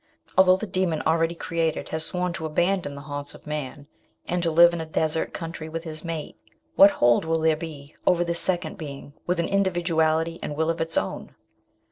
Although the demon already created has sworn to abandon the haunts of man and to live in a desert " FRANKENSTEIN." 107 country with his mate, what hold will there be over this second being with au individuality and will of its own?